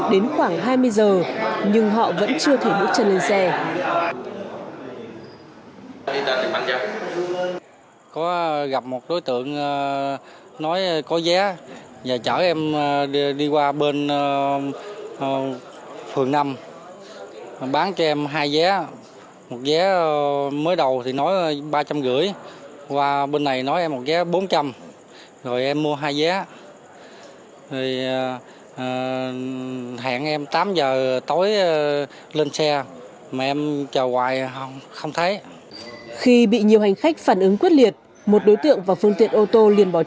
đến khoảng một giờ và những người đã phải ngồi từ chiều đến khoảng một giờ